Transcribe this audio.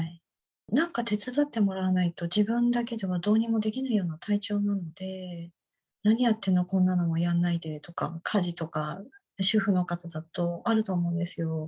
なんか手伝ってもらわないと、自分だけではどうにもできないような体調なので、何やってるの、こんなのもやんないでとか、家事とか、主婦の方だとあると思うんですよ。